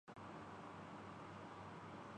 پیر کو مملکت کے متعدد علاقوں میں تیز ہوائیں چلیں گی